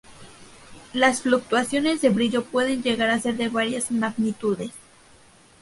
Las fluctuaciones de brillo pueden llegar a ser de varias magnitudes.